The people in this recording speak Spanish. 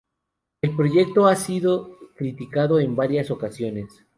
El proyecto ha sido criticado en varias ocasiones.